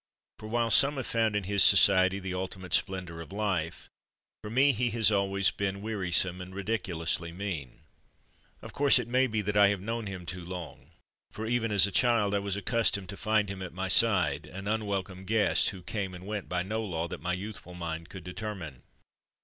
For while some have found in his society the ultimate splendour of life, for me he has always been wearisome and ridiculously mean. Of course it may be that I have known him too long, for even as a child I was accus tomed to find him at my side, an unwelcome guest who came and went by no law that 100 THE DAY BEFORE YESTERDAY my youthful mind could determine.